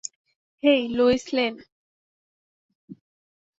Hey, Lois lane.